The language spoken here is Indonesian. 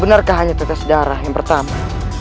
benarkah hanya tetes darah yang pertama